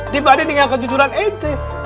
dibanding dengan kesusuran ente